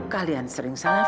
kalian sering salah faham